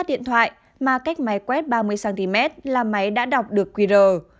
điện thoại mà cách máy quét ba mươi cm là máy đã đọc được qr